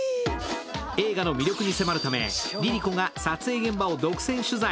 映画の魅力に迫るため、ＬｉＬｉＣｏが撮影現場を独占取材。